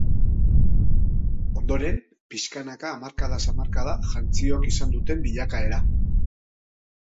Ondoren, pixkanaka hamarkadaz hamarkada jantziok izan duten bilakaera.